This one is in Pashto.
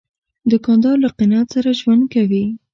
دوکاندار له قناعت سره ژوند کوي.